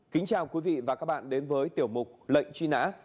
kính chào quý vị và các bạn đến với tiểu mục lệnh truy nã